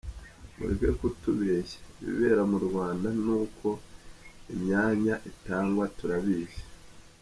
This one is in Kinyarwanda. Mureke kutubeshya, ibibera mu Rwanda n'uko imyanya itangwa turabizi.